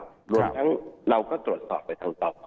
รวมทั้งเราก็ตรวจสอบไปทางต่อ